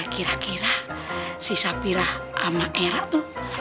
kira kira si sapirah sama era tuh